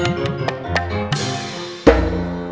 terima kasih kak